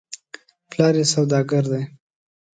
پلار یې سودا ګر دی .